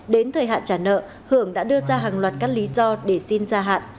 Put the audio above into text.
đến thời hạn trả nợ hưởng đã đưa ra hàng loạt các lý do để xin gia hạn